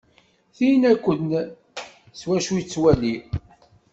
Tin akken s wacu i nettwali.